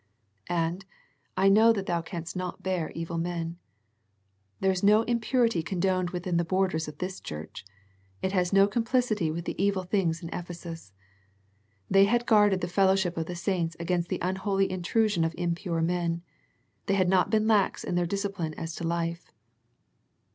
And " I know that thou canst not bear evil men." There is no impurity condoned within the borders of this church. It has no com plicity with the evil things in Ephesus. They had guarded the fellowship of the saints against the unholy intrusion of impure men. They had not been lax in their discipline as to life.